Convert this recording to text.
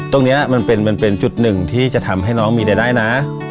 ตรงนี้มันเป็นจุดหนึ่งที่จะทำให้น้องมีรายได้นะ